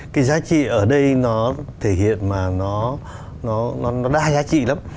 cái giá trị ở đây nó thể hiện mà nó đa giá trị lắm